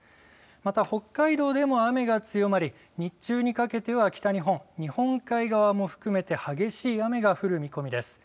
また、北海道でも雨が強まり日中にかけては北日本、日本海側も含めて激しい雨が降る見込みです。